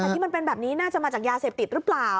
แต่ที่มันเป็นแบบนี้น่าจะมาจากยาเสพติดหรือเปล่า